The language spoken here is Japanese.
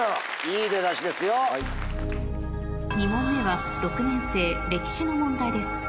２問目は６年生歴史の問題です